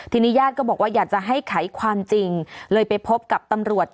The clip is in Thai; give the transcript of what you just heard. ทีนี้ญาติก็บอกว่าอยากจะให้ไขความจริงเลยไปพบกับตำรวจ